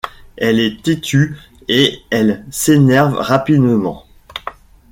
Elle est têtue et elle s'énerve rapidement.